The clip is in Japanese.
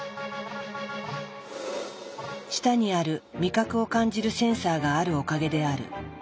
舌にある味覚を感じるセンサーがあるおかげである。